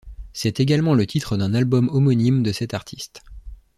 C'est également le titre d'un album homonyme de cet artiste.